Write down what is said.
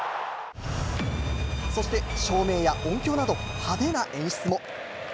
そして照明や音響など、派手な演出も。